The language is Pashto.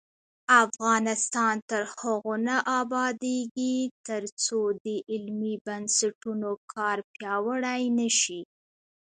افغانستان تر هغو نه ابادیږي، ترڅو د علمي بنسټونو کار پیاوړی نشي.